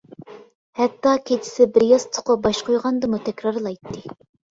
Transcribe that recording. ھەتتا كېچىسى بىر ياستۇققا باش قويغاندىمۇ تەكرارلايتتى.